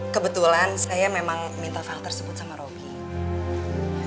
kebetulan saya memang minta file tersebut sama rocky